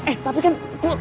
eh tapi kan